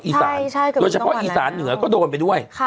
โดยเฉพาะอีสานเหนือก็โดนไปด้วย